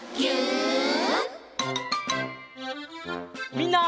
みんな！